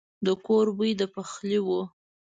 د کور بوی د پخلي وو.